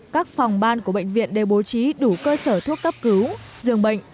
các phòng ban của bệnh viện đều bố trí đủ cơ sở thuốc cấp cứu dường bệnh